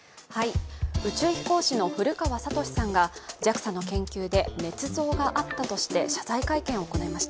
宇宙飛行士の古川聡さんがＪＡＸＡの研究でねつ造があったとして謝罪会見を行いました。